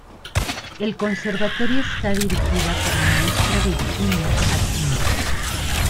El conservatorio está dirigida por la maestra, Virginia Aquino.